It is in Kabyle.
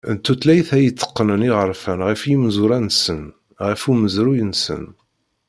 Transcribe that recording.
D tuylayt ay itteqqnen iɣerfan ɣer yimezwura-nsen, ɣer umezruy-nsen.